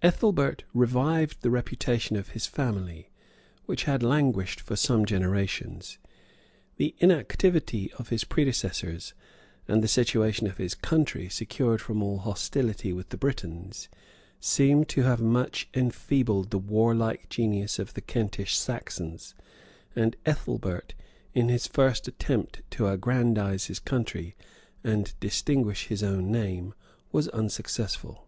Ethelbert revived the reputation of his family, which had languished for some generations. The inactivity of his predecessors, and the situation of his country, secured from all hostility with the Britons, seem to have much enfeebled the warlike genius of the Kentish Saxons; and Ethelbert, in his first attempt to aggrandize his country, and distinguish his own name, was unsuccessful.